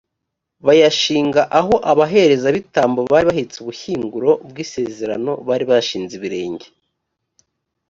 bayashinga aho abaherezabitambo bari bahetse ubushyinguro bw’isezerano bari bashinze ibirenge.